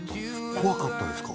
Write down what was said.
怖かったですか？